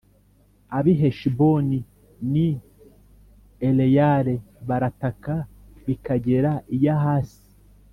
Ab’i Heshiboni n’i Eleyale barataka bikagera i Yahasi,